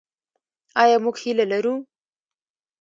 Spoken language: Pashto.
آیا موږ هیله لرو؟